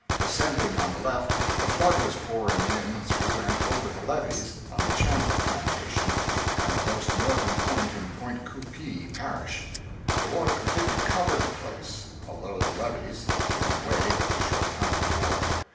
Ascending on the left, a flood was pouring in through and over the levees on the Chandler plantation, the most northern point in Pointe Coupee parish. The water completely covered the place, although the levees had given way but a short time before.